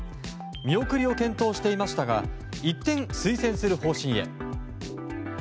見送りを検討していましたが一転、推薦する方針へ。